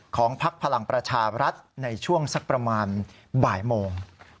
พักพลังประชารัฐในช่วงสักประมาณบ่ายโมง